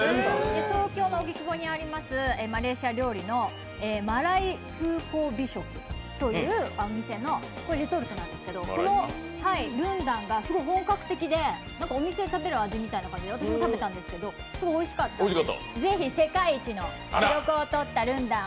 東京の荻窪にありますマレーシア料理の馬来風光美食というお店のレトルトなんですけどこのルンダンが本格的でお店で食べる味みたいな感じで、私も食べたんですけどすごいおいしかったので、ぜひ世界一の記録をとったルンダン、